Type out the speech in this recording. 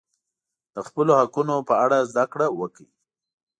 د خپلو حقونو په اړه زده کړه وکړئ.